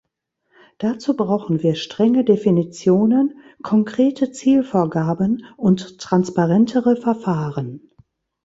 Dazu brauchen wir strenge Definitionen, konkrete Zielvorgaben und transparentere Verfahren.